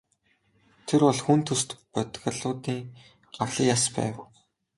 Тэр бол хүн төст бодгалиудын гавлын яс байв.